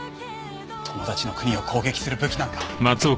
友達の国を攻撃する武器なんか！